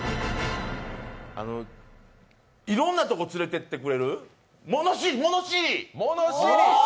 いろんなとこ連れていってくれる物知り！